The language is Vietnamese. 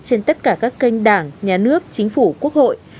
trên tất cả các kênh đảng nhà nước chính phủ quốc hội